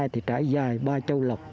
thì trải dài ba châu lộc